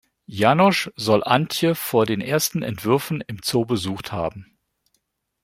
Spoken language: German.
Janosch soll Antje vor den ersten Entwürfen im Zoo besucht haben.